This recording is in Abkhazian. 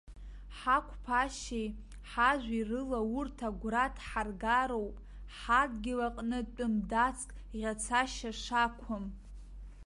Ҳақәԥашьеи, ҳажәеи рыла урҭ агәра дҳаргароуп, ҳадгьыл аҟны тәым дацк ӷьацашьа шақәым.